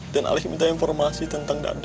dan alex minta informasi tentang dado